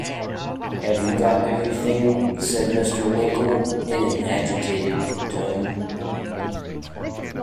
‘Have you got everything?’ said Mr. Winkle, in an agitated tone.